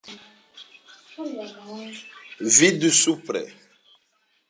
Vidu supre.